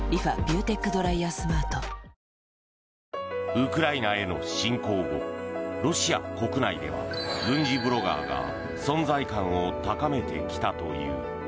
ウクライナへの侵攻後ロシア国内では軍事ブロガーが存在感を高めてきたという。